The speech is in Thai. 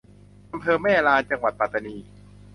อำเภอแม่ลาน จังหวัดปัตตานี